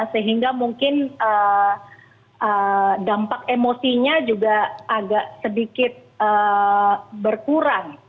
sehingga mungkin dampak emosinya juga agak sedikit berkurang